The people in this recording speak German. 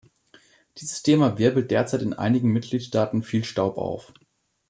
Dieses Thema wirbelt derzeit in einigen Mitgliedstaaten viel Staub auf.